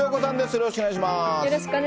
よろしくお願いします。